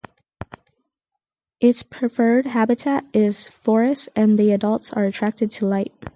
Its preferred habitat is forest and the adults are attracted to light.